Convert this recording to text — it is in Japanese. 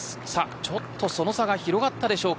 ちょっとその差が広がったでしょうか